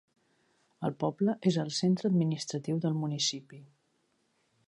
El poble és el centre administratiu del municipi.